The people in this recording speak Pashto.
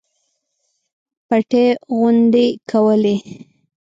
پټې غونډې کولې.